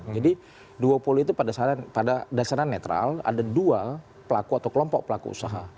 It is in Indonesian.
jadi duopoli itu pada dasarnya netral ada dua pelaku atau kelompok pelaku usaha